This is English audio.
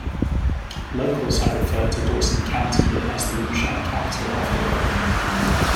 Locals have referred to Dawson County as the Moonshine Capital of the World.